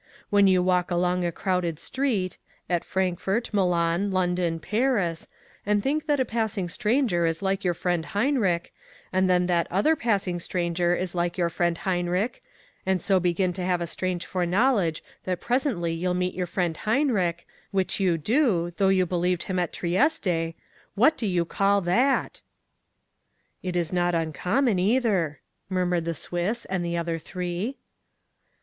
When you walk along a crowded street—at Frankfort, Milan, London, Paris—and think that a passing stranger is like your friend Heinrich, and then that another passing stranger is like your friend Heinrich, and so begin to have a strange foreknowledge that presently you'll meet your friend Heinrich—which you do, though you believed him at Trieste—what do you call that?' 'It's not uncommon, either,' murmured the Swiss and the other three.